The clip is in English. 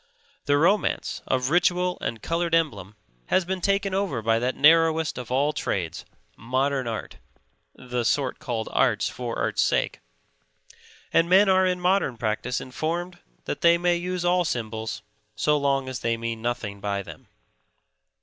The romance of ritual and colored emblem has been taken over by that narrowest of all trades, modern art (the sort called art for art's sake), and men are in modern practice informed that they may use all symbols so long as they mean nothing by them.